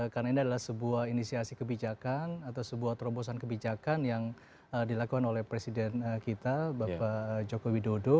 karena ini adalah sebuah inisiasi kebijakan atau sebuah terobosan kebijakan yang dilakukan oleh presiden kita bapak joko widodo